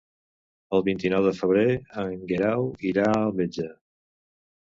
El vint-i-nou de febrer en Guerau irà al metge.